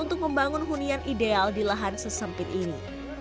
untuk membangun hunian ideal di lahan sesempit ini